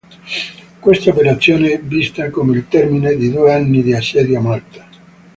Questa operazione è vista come il termine di due anni di assedio a Malta.